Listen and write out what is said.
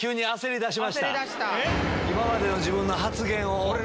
今までの自分の発言を。